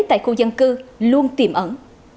tại khu dân cư luôn tiềm ẩn